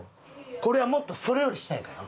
これはもっとそれより下やから。